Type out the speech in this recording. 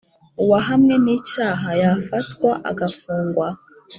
uwahamwe n icyaha y afatwa agafungwa